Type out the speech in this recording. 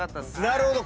なるほど。